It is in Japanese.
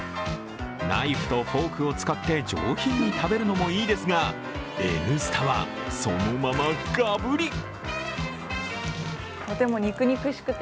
ナイフとフォークを使って上品に食べるのもいいですが「Ｎスタ」はそのままガブリ。